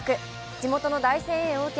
地元の大声援を受け